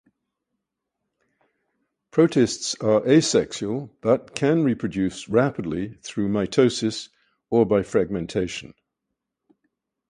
Protists are asexual but can reproduce rapidly through mitosis or by fragmentation.